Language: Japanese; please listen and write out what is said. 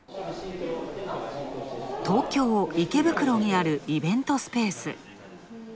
東京、池袋にあるイベントスペース。